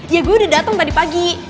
ya gue udah datang tadi pagi